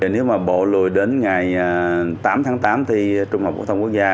nếu mà bộ lùi đến ngày tám tháng tám thi trung học quốc tâm quốc gia